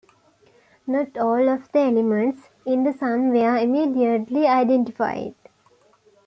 Not all of the elements in the sun were immediately identified.